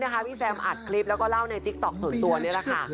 เหตุการณ์นี้พี่แซมอัดคลิปแล้วก็เล่าในติ๊กต๊อกส่วนตัวนี้แหละค่ะ